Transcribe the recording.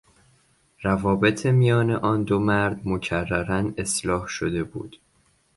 روابط میان آن دو مرد مکررا اصلاح شده بود.